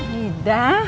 sarang terima kasih